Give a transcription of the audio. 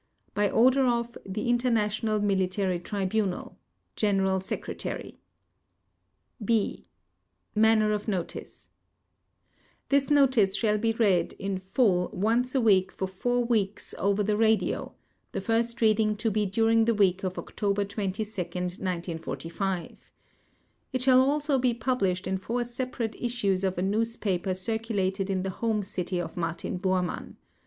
By order of The International Military Tribunal (no signature) General Secretary (b) Manner of Notice This notice shall be read in full once a week for four weeks over the radio, the first reading to be during the week of October 22, 1945. It shall also be published in four separate issues of a newspaper circulated in the home city of Martin Bormann.